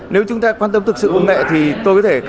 nếu chúng ta quan tâm thực sự công nghệ thì tôi có thể